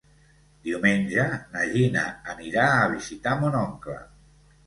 Diumenge na Gina anirà a visitar mon oncle.